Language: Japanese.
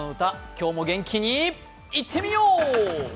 今日も元気にいってみよう！